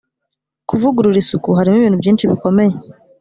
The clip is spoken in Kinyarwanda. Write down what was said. kuvugurura isuku harimo ibintu byinshi bikomeye